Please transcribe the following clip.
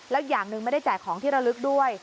แล้วอย่างหนึ่งไม่ได้แจกของที่ระลึกด้วย